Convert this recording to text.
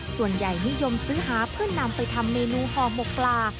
ส่วนใหญ่นิยมซื้อหาเพื่อนำไปทำเมนูห่อหมกปลา